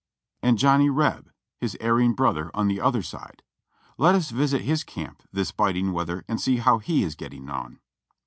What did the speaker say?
And Johnny Reb, his erring brother on the otlier side — let us visit his camp this biting weather and see how he is getting on.